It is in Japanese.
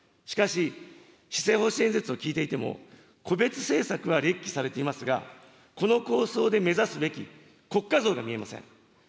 しかし、施政方針演説を聞いていても、個別政策は列記されていますが、この構想で目指すべき国家像が見えません。